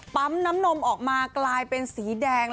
ปั๊มน้ำนมออกมากลายเป็นสีแดง